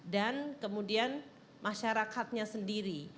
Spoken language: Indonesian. dan kemudian masyarakatnya sendiri